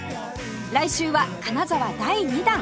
来週は金沢第２弾